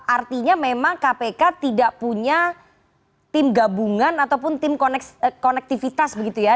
artinya memang kpk tidak punya tim gabungan ataupun tim konektivitas begitu ya